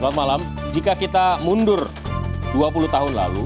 selamat malam jika kita mundur dua puluh tahun lalu